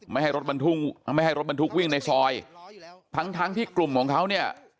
ไม่ให้รถบรรทุกวิ่งในซอยทั้งทั้งที่กลุ่มของเค้าเนี่ย